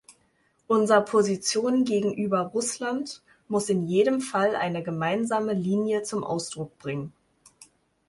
Unser Position gegenüber Russland muss in jedem Fall eine gemeinsame Linie zum Ausdruck bringen.